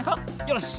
よし。